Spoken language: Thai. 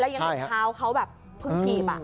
แล้วยังท้าวเขาแบบเพิ่งขี่ป่ะ